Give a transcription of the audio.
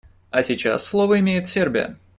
А сейчас слово имеет Сербия.